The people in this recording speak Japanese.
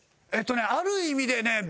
えっとねある意味でね